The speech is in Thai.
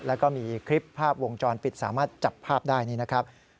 แล้วก็มีคลิปภาพวงจรปิดสามารถจับภาพได้นี่นะครับ